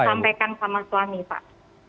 disampaikan sama suami pak